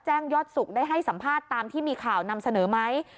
ยอดสุขได้ให้สัมภาษณ์ตามที่มีข่าวนำเสนอไหม